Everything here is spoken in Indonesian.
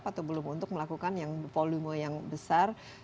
atau belum untuk melakukan yang volume yang besar